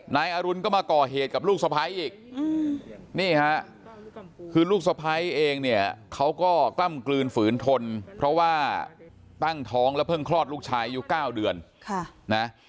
นายอรุณก็มาก่อเหตุกับลูกสะพ้ายอีกนี่ฮะคือลูกสะพ้ายเองเนี่ยเขาก็กล้ำกลืนฝืนทนเพราะว่าตั้งท้องแล้วเพิ่งคลอดลูกชายอายุ๙เดือนนะ